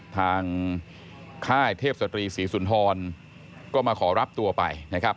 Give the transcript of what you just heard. ทางค่ายเทพสตรีสีศุนธรก็มาขอรับตัวไป